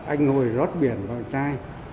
anh ngồi rót biển lòi chai